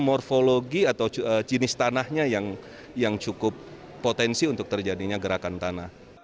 morfologi atau jenis tanahnya yang cukup potensi untuk terjadinya gerakan tanah